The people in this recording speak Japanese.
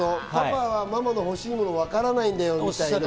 パパはママの欲しいものわからないんだよねみたいな。